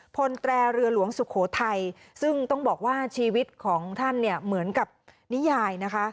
พลแตรเรือหลวงสุโขทัยซึ่งต้องบอกว่าชีวิตของท่านเนี่ยเหมือนกับนิยายนะคะ